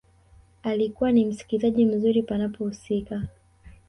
Alikuwa ni msikilizaji mzuri panapohusika